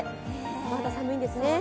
また寒いんですね。